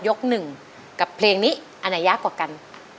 หนึ่งกับเพลงนี้อันไหนยากกว่ากัน